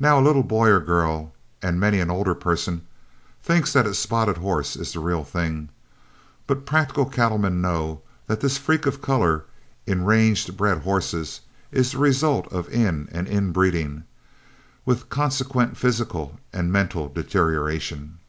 Now a little boy or girl, and many an older person, thinks that a spotted horse is the real thing, but practical cattle men know that this freak of color in range bred horses is the result of in and in breeding, with consequent physical and mental deterioration.